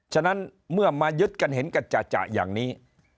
ฉะนั้นเมื่อมายึดกันเห็นกันจะอย่างนี้